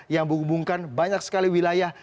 yang menghubungkan banyak sekali wilayah